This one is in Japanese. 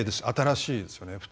新しいですよね。